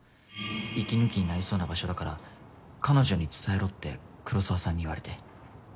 「息抜きになりそうな場所だから彼女に伝えろ」って黒澤さんに言われて。